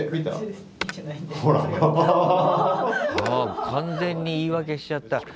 ああ完全に言い訳しちゃった。